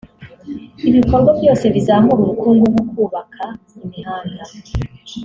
Ibikorwa byose bizamura ubukungu nko kubaka imihanda